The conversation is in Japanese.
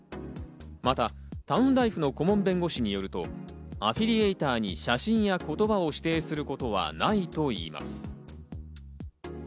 またタウンライフの顧問弁護士によると、アフィリエイターに写真や言葉を指定することはないといいます。